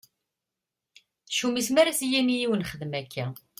Ccum-is mi ara s-yini yiwen xdem akka.